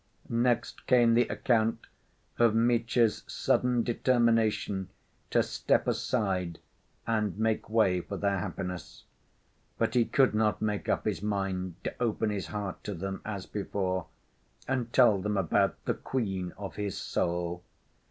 Next came the account of Mitya's sudden determination to "step aside" and make way for their happiness. But he could not make up his mind to open his heart to them as before, and tell them about "the queen of his soul."